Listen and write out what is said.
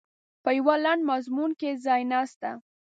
په یوه لنډ مضمون کې ځای نسته.